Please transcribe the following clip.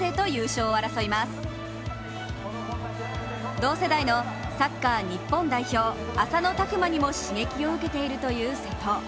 同世代のサッカー日本代表・浅野拓磨にも刺激を受けているという瀬戸。